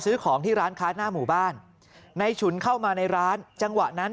ซื้อของที่ร้านค้าหน้าหมู่บ้านในฉุนเข้ามาในร้านจังหวะนั้น